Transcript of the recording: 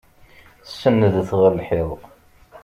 Senndet ɣer lḥiḍ!